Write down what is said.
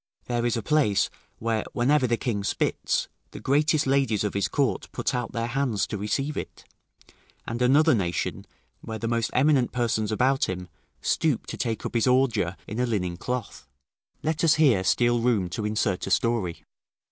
There is a place, where, whenever the king spits, the greatest ladies of his court put out their hands to receive it; and another nation, where the most eminent persons about him stoop to take up his ordure in a linen cloth. Let us here steal room to insert a story.